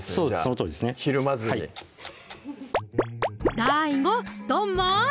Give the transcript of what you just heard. そのとおりですねひるまずにはいＤＡＩＧＯドンマイ！